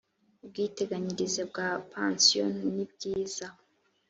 ubwiteganyirize bwa pansiyo nibwiza